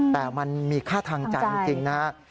แต่มันมีค่าทางใจจริงนะครับ